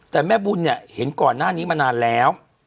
แต่แม่บุญเนี่ยเห็นก่อนหน้านี้มานานแล้ว